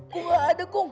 gua ada kong